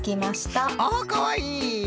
あかわいい！